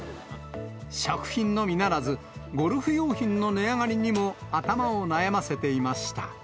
食品のみならず、ゴルフ用品の値上がりにも頭を悩ませていました。